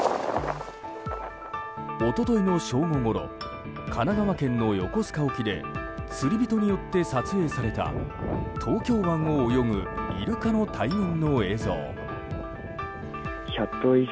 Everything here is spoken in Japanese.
一昨日の正午ごろ神奈川県の横須賀沖で釣り人によって撮影された東京湾を泳ぐイルカの大群の映像。